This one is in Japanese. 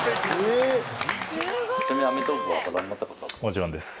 もちろんです。